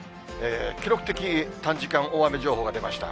記録的短時間大雨情報が出ました。